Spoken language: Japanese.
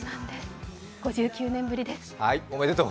５９年ぶりです。